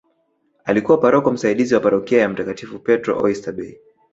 Alikuwa paroko msaidizi wa parokia ya mtakatifu Petro oysterbay